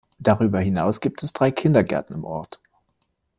Darüber hinaus gibt es drei Kindergärten im Ort.